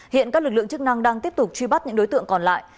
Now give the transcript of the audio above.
hiện các lực lượng chức năng đang tiếp tục truy bắt những đối tượng còn lại